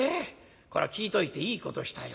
こら聞いといていいことしたよ。